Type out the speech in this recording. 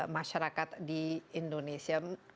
masyarakat di indonesia